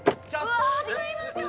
うわすいません